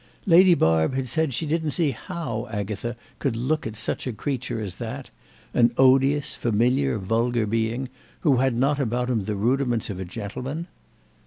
Lady Barb had said she didn't see how Agatha could look at such a creature as that—an odious familiar vulgar being who had not about him the rudiments of a gentleman.